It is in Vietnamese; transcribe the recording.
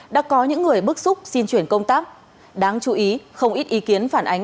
đã có những người bức xúc xin chuyển công tác đáng chú ý không ít ý kiến phản ánh